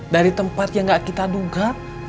dari tempat yang gak kita duga